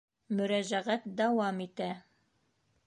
Мөрәжәғәт дауам итә: